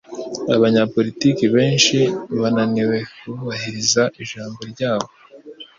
Abanyapolitike benshi bananiwe kubahiriza ijambo ryabo.